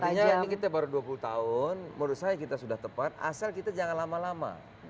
artinya ini kita baru dua puluh tahun menurut saya kita sudah tepat asal kita jangan lama lama